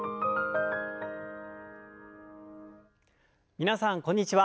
皆さんこんにちは。